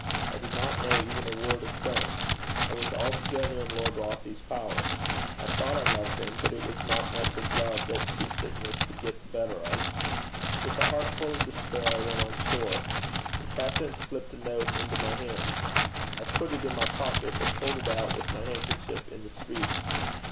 I did not know even a word of French. I was altogether in Lord Rothie's power. I thought I loved him, but it was not much of love that sea sickness could get the better of. With a heart full of despair I went on shore. The captain slipped a note into my hand. I put it in my pocket, but pulled it out with my handkerchief in the street.